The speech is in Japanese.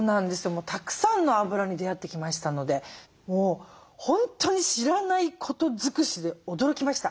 もうたくさんのあぶらに出会ってきましたのでもう本当に知らないこと尽くしで驚きました。